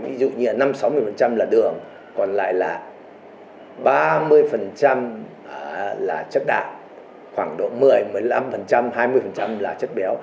ví dụ như là năm sáu mươi là đường còn lại là ba mươi là chất đạm khoảng độ một mươi một mươi năm hai mươi là chất béo